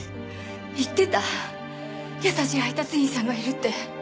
言ってた優しい配達員さんがいるって。